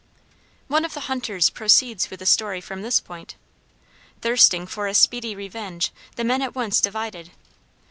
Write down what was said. One of the hunters proceeds with the story from this point. "Thirsting for a speedy revenge, the men at once divided.